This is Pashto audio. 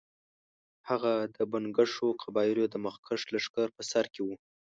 هغه د بنګښو قبایلو د مخکښ لښکر په سر کې وو.